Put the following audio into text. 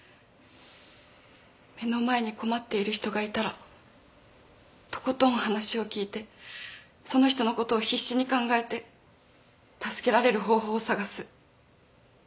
目の前に困っている人がいたらとことん話を聞いてその人のことを必死に考えて助けられる方法を探す。